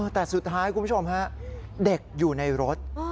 แต่สุดท้ายคุณผู้ชมฮะเด็กอยู่ในรถ